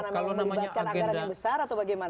karena melibatkan agarannya besar atau bagaimana